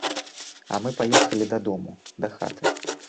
А мы паехалі дадому, да хаты.